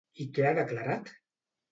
I què ha declarat?